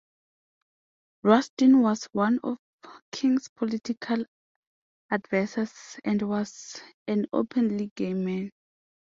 Rustin was one of King's political advisers and was an openly gay man.